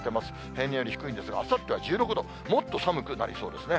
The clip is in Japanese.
平年より低いんですが、あさっては１６度、もっと寒くなりそうですね。